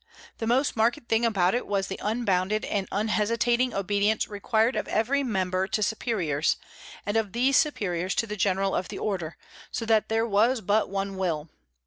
The most marked thing about it was the unbounded and unhesitating obedience required of every member to superiors, and of these superiors to the General of the Order, so that there was but one will.